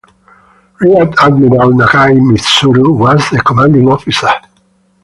Rear Admiral Nagai Mitsuru was the Commanding Officer.